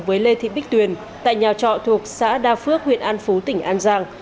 với lê thị bích tuyền tại nhà trọ thuộc xã đa phước huyện an phú tỉnh an giang